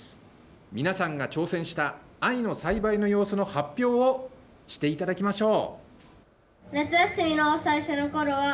皆さんが挑戦した藍の栽培の様子の発表をしていただきましょう。